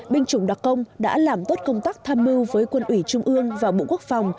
binh chủng đặc công đã làm tốt công tác tham mưu với quân ủy trung ương và bộ quốc phòng